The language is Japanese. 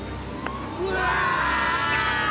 うわ！